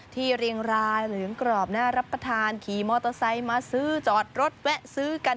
เรียงรายเหลืองกรอบน่ารับประทานขี่มอเตอร์ไซค์มาซื้อจอดรถแวะซื้อกัน